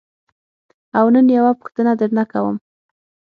او نن یوه پوښتنه درنه کوم.